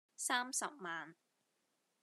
三十萬